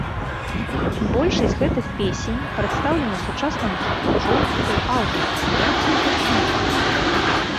Большасць гэтых песень прадстаўлена сучаснаму слухачу ў аўдыёварыянце ўпершыню.